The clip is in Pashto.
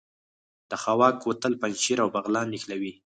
د خاوک کوتل پنجشیر او بغلان نښلوي